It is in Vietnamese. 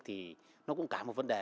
thì nó cũng cả một vấn đề